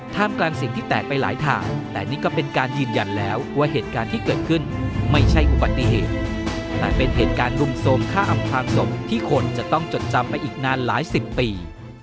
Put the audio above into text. กลางสิ่งที่แตกไปหลายทางแต่นี่ก็เป็นการยืนยันแล้วว่าเหตุการณ์ที่เกิดขึ้นไม่ใช่อุบัติเหตุแต่เป็นเหตุการณ์รุมโทรมฆ่าอำพลางศพที่คนจะต้องจดจำไปอีกนานหลายสิบปี